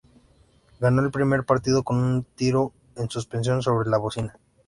Ganó el primer partido con un tiro en suspensión sobre la bocina.